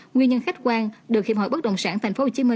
nguyên nhân khách quan được hiệp hội bất đồng sản tp hcm